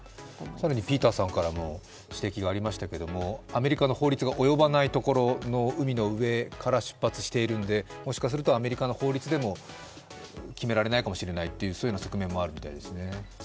更にピーターさんからも指摘がありましたけれどもアメリカの法律が及ばないところの海の上から出発しているので、もしかするとアメリカの法律でも決められないかもしれないっていうそういうような側面もあるようですね。